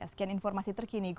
sekian informasi terkini